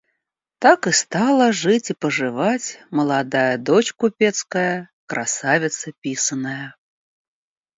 Так и стала жить и поживать молодая дочь купецкая, красавица писаная.